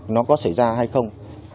nó có xảy ra hay không